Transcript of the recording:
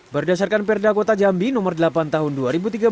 berdasarkan perda kota jambi terdakwa menerima dua puluh juta rupiah